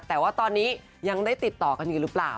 แต่ว่าตอนนี้ยังได้ติดต่อกันอยู่หรือเปล่า